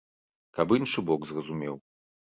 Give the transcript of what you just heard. Каб іншы бок зразумеў.